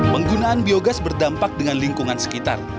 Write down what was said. penggunaan biogas berdampak dengan lingkungan sekitar